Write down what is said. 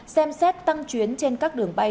xem xét tăng chuyến trên các đường bay